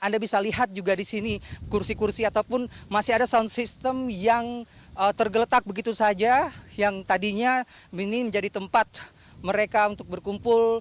anda bisa lihat juga di sini kursi kursi ataupun masih ada sound system yang tergeletak begitu saja yang tadinya ini menjadi tempat mereka untuk berkumpul